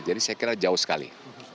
jadi saya kira jauh sekali